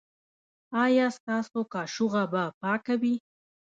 ایا ستاسو کاشوغه به پاکه وي؟